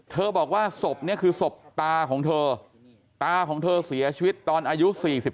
บอกว่าศพนี้คือศพตาของเธอตาของเธอเสียชีวิตตอนอายุ๔๓